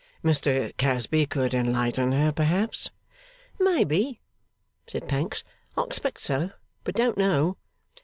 'Mr Casby could enlighten her, perhaps?' 'May be,' said Pancks. 'I expect so, but don't know.